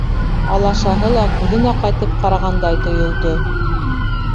Алашаһы ла күҙен аҡайтып ҡарағандай тойолдо.